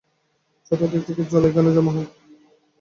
চতুর্দিক থেকে জল এখানে জমা হয়।